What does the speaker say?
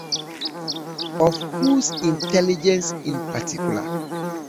Of whose intelligence in particular?